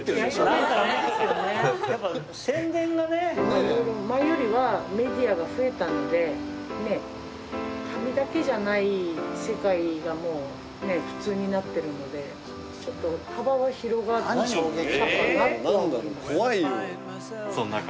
いろいろ前よりはメディアが増えたので紙だけじゃない世界がもうね普通になってるのでちょっと幅は広がったかなとは思います。